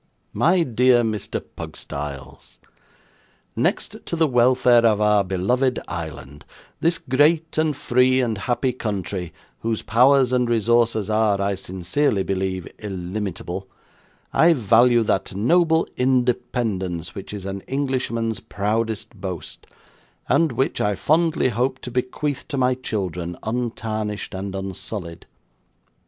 'MY DEAR MR PUGSTYLES, 'Next to the welfare of our beloved island this great and free and happy country, whose powers and resources are, I sincerely believe, illimitable I value that noble independence which is an Englishman's proudest boast, and which I fondly hope to bequeath to my children, untarnished and unsullied.